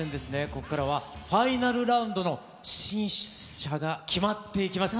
ここからはファイナルラウンドの進出者が決まっていきます。